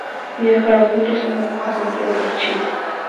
Viajaron juntos a Santiago de Chile.